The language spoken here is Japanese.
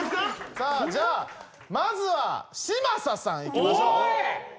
さあじゃあまずは嶋佐さんいきましょう。